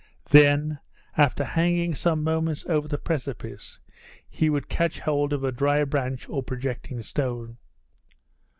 Then, after hanging some moments over the precipice, he would catch hold of a dry branch or projecting stone.